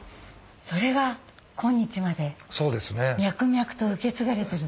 それが今日まで脈々と受け継がれてると。